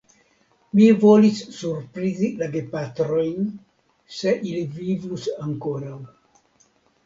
Mi volis surprizi la gepatrojn, se ili vivus ankoraŭ.